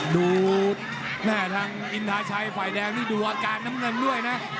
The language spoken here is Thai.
ดูแม่ทางอินทาชัยฝ่ายแดงนี่ดูอาการน้ำเงินด้วยนะ